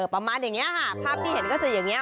ประมาณแบบนี้จะได้